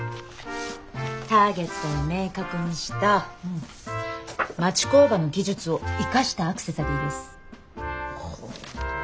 ターゲットを明確にした町工場の技術を生かしたアクセサリーです。